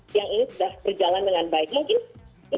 saya kira ini sesuatu yang kalau saya lihat dengan keadaan yang lebih kelas